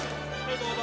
どうぞ。